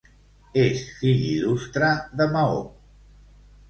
És fill Il·lustre de Maó.